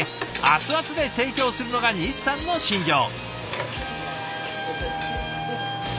熱々で提供するのが西さんの信条。